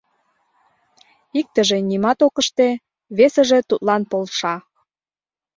— Иктыже нимат ок ыште, весыже тудлан полша.